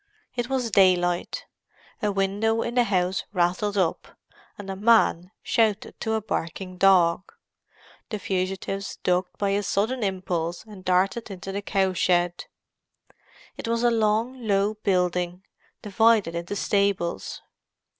It was daylight; a window in the house rattled up, and a man shouted to a barking dog. The fugitives ducked by a sudden impulse, and darted into the cow shed. It was a long, low building, divided into stables.